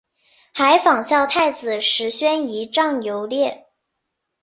还仿效太子石宣仪仗游猎。